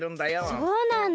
そうなんだ。